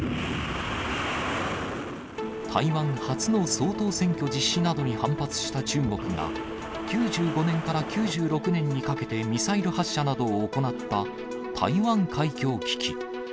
台湾初の総統選挙実施などに反発した中国が、９５年から９６年にかけてミサイル発射などを行った台湾海峡危機。